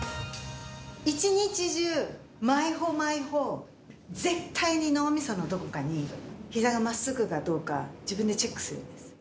一日中、毎歩、毎歩、絶対に脳みそのどこかに、ひざがまっすぐかどうか、自分でチェックするんです。